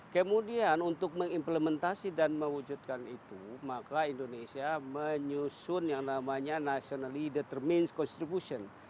kemudian untuk mengimplementasi dan mewujudkan itu maka indonesia menyusun yang namanya nationally determinds constribution